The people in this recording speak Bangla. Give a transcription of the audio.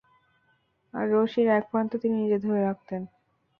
আর রশির এক প্রান্ত তিনি নিজে ধরে রাখতেন।